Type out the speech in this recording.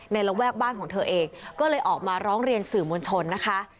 ระแวกบ้านของเธอเองก็เลยออกมาร้องเรียนสื่อมวลชนนะคะ